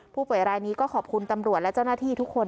ผู้ป่วยรายนี้ก็ขอบคุณตำรวจและเจ้าหน้าที่ทุกคน